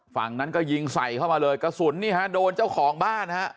ฝั่งนั้นก็ยิงใส่เข้ามาเลยกระสุนนี่ฮะโดนเจ้าของบ้านฮะ